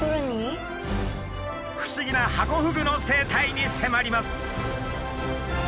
不思議なハコフグの生態に迫ります！